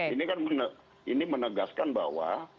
ini kan menegaskan bahwa